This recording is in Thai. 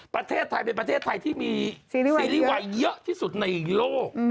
ประเทศไทยเป็นประเทศไทยที่มีซีรีส์วายเยอะที่สุดในโลก